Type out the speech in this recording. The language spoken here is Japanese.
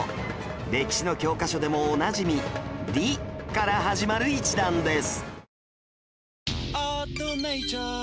歴史の教科書でもおなじみ「リ」から始まる一団です